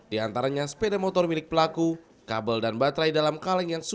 di antaranya sepeda motor milik pelaku kabel dan baterai dalam kaleng yang sempur